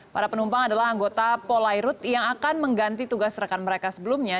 para penumpang adalah anggota polairut yang akan mengganti tugas rekan mereka sebelumnya